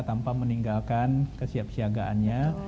tanpa meninggalkan kesiapsiagaannya